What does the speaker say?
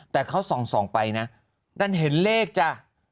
แต่เขาส่องส่องไปน่ะมันเห็นเลขจ่ะ